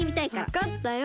わかったよ。